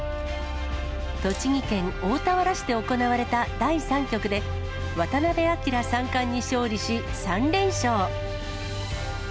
栃木県大田原市で行われた第３局で、渡辺明三冠に勝利し、３連勝。